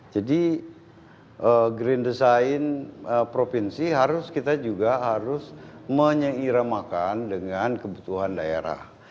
jadi green design provinsi harus kita juga harus menyeiramakan dengan kebutuhan daerah